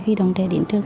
huy đồng trẻ đến trường